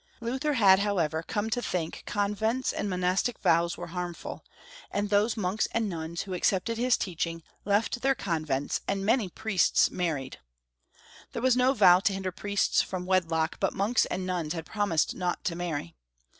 Luther had, how 280 Charles V. 281 ever, come to think convents and monastic vows were harmful, and those monks and nuns who ac cepted his teaching left their convents, and many priests married. There was no vow to hinder priests from wedlock, but monks and nuns had promised not to marry.